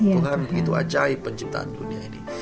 tuhan begitu ajaib penciptaan dunia ini